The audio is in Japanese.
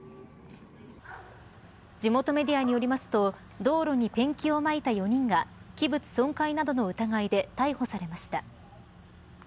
地元メディアによりますと道路にペンキをまいた４人が器物損壊などの疑いで逮捕されました。